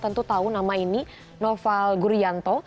tentu tahu nama ini noval gurianto